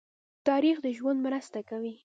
تاریخ د ژوند مرسته کوي.